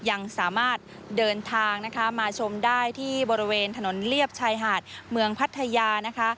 ยังสามารถเดินทางนะคะมาชมได้ที่บริเวณถนนเลียบชายหาดเมืองพัทยานะคะ